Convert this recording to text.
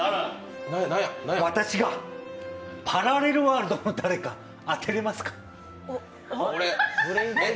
私がパラレルワールドの誰か当てれますか？